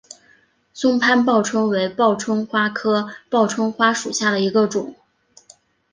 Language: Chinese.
松潘报春为报春花科报春花属下的一个种。